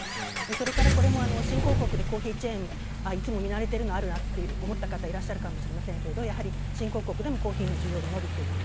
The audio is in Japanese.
それからこれも新興国でコーヒーチェーンいつも見慣れているものがあるなと思った方がいるかもしれませんが新興国でもコーヒーの需要が伸びている。